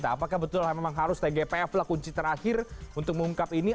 apakah betul memang harus tgpf lah kunci terakhir untuk mengungkap ini